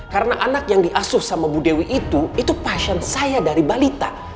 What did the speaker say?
karena anak yang diasuh sama bu dewi itu itu pasien saya dari balita